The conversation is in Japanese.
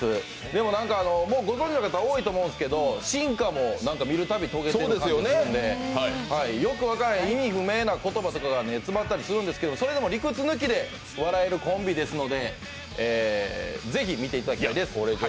もうご存じの方、多いと思うんですけど進化も見るたび遂げている感じがするんでよくわからへん、意味不明な言葉とかがあったりするんですけどそれでも理屈抜きで笑えるコンビですのでぜひ見ていただきたいです。